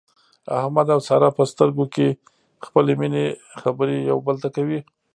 احمد او ساره په سترګو کې خپلې د مینې خبرې یو بل ته کوي.